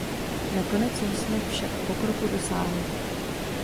Nakonec jsme však pokroku dosáhli.